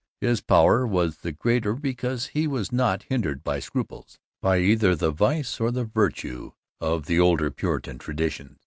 His power was the greater because he was not hindered by scruples, by either the vice or the virtue of the older Puritan tradition.